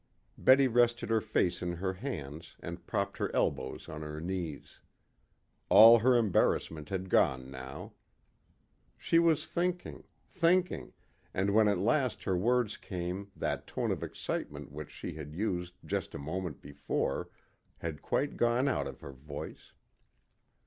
Betty rested her face in her hands and propped her elbows on her knees. All her embarrassment had gone now. She was thinking, thinking, and when at last her words came that tone of excitement which she had used just a moment before had quite gone out of her voice.